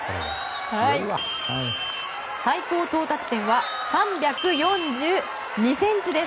最高到達点は３４２ｃｍです。